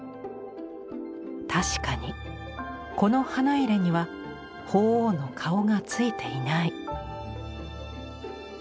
確かにこの花入には鳳凰の顔がついていない。